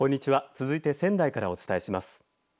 続いて仙台からお伝えします。